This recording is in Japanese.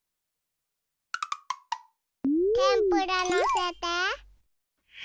てんぷらのせて。